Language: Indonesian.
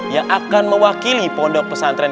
yang akan mewakili pondok pesantren